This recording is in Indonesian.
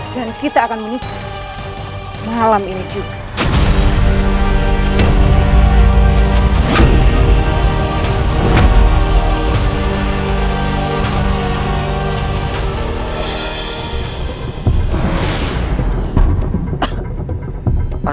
dan kita akan menikah malam ini juga